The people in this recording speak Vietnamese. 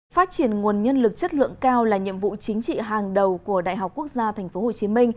phát triển nguồn nhân lực chất lượng cao là nhiệm vụ chính trị hàng đầu của đại học quốc gia tp hcm